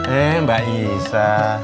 eh mbak isa